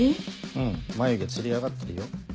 うん眉毛つり上がってるよ。